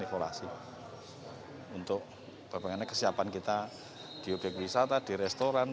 evaluasi untuk kesiapan kita di objek wisata di restoran